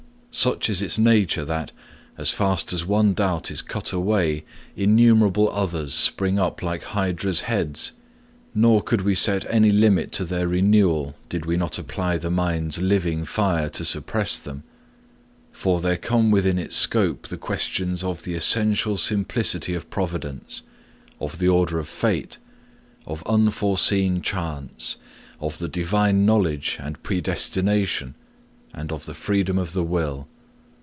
Such is its nature that, as fast as one doubt is cut away, innumerable others spring up like Hydra's heads, nor could we set any limit to their renewal did we not apply the mind's living fire to suppress them. For there come within its scope the questions of the essential simplicity of providence, of the order of fate, of unforeseen chance, of the Divine knowledge and predestination, and of the freedom of the will.